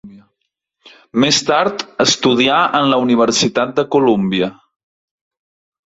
Més tard estudià en la Universitat de Colúmbia.